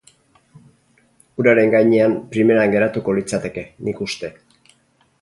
Uraren gainean primeran geratuko litzateke, nik uste.